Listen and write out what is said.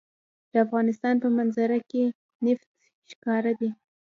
د افغانستان په منظره کې نفت ښکاره دي.